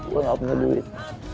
gua gak punya duit